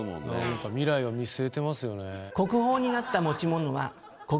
何か未来を見据えてますよねえ。